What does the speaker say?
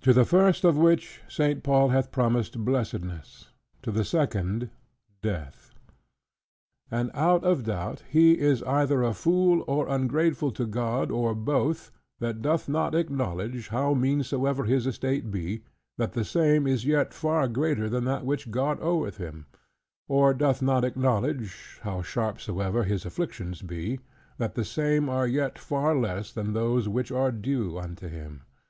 To the first of which St. Paul hath promised blessedness; to the second, death. And out of doubt he is either a fool, or ungrateful to God, or both, that doth not acknowledge, how mean soever his estate be, that the same is yet far greater than that which God oweth him: or doth not acknowledge, how sharp soever his afflictions be, that the same are yet far less, than those which are due unto him.